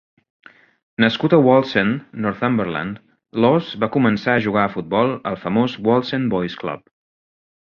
Nascut a Wallsend, Northumberland, Laws va començar a jugar a futbol al famós Wallsend Boys Club.